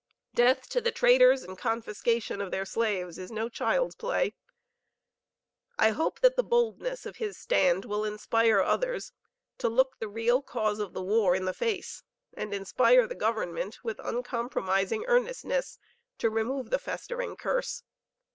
Death to the traitors and confiscation of their slaves is no child's play. I hope that the boldness of his stand will inspire others to look the real cause of the war in the face and inspire the government with uncompromising earnestness to remove the festering curse.